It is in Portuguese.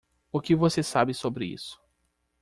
O que você sabe sobre isso.